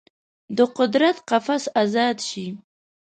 د قدرت قفس ازاد شي